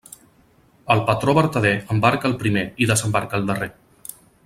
El patró vertader embarca el primer i desembarca el darrer.